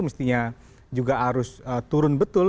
mestinya juga harus turun betul